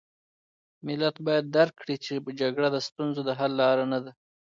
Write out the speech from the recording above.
ملت باید درک کړي چې جګړه د ستونزو د حل لاره نه ده.